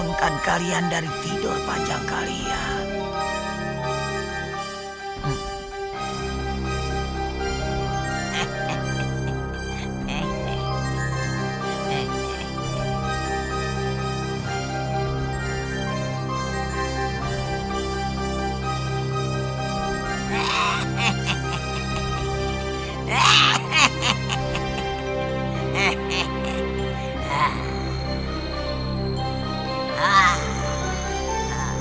dan bangunkan kalian dari tidur panjang kalian